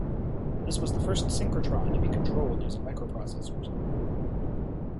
This was the first synchrotron to be controlled using microprocessors.